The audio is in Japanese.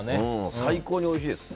最高においしいです。